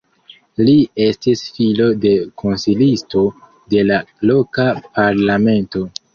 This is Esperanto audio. Li estis filo de konsilisto de la loka parlamento.